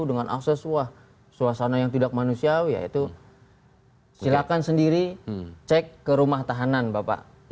dengan akses wah suasana yang tidak manusiawi yaitu silakan sendiri cek ke rumah tahanan bapak